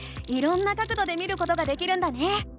いろんな角どで見ることができるんだね！